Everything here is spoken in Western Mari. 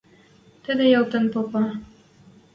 Тӹдӹ алтален попа!